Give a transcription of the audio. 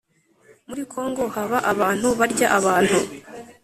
Muri kongo haba abantu barya abantu